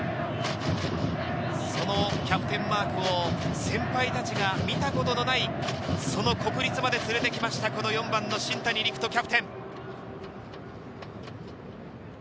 そのキャプテンマークを先輩達が見たことのない、その国立まで連れてきました、この４番の新谷陸斗、キャプテン。